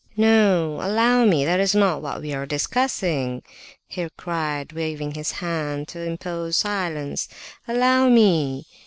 "No! Allow me, that is not what we are discussing!" he cried, waving his hand to impose silence. "Allow me!